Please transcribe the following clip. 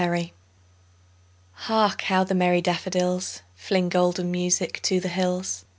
Spring HARK how the merry daffodils, Fling golden music to the hills!